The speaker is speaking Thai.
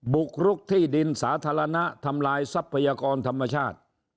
บุกรุกที่ดินสาธารณะทำลายทรัพยากรธรรมชาติ